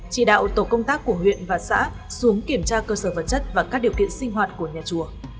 chỉ đạo tổ công tác của huyện và xã xuống kiểm tra cơ sở vật chất và các điều kiện sinh hoạt của nhà chùa